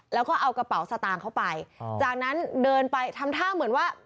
แล้วก็เอากระเป๋าสตางค์เข้าไปจากนั้นเดินไปทำท่าเหมือนว่า